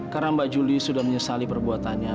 karena mbak juli sudah menyesali perbuatannya